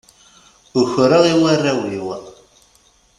Ukreɣ i warraw-iw.